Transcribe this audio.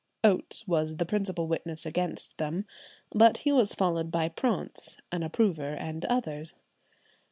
Oates was the principal witness against them; but he was followed by Praunce, an approver, and others.